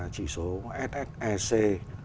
chỉ số sse